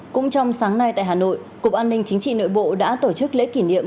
cũng trong sáng nay tại hà nội cục an ninh chính trị nội bộ đã tổ chức lễ kỷ niệm